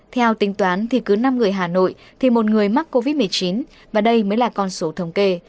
theo tính toán thì cứ năm người hà nội thì một người mắc covid một mươi chín và đây mới là con số thống kê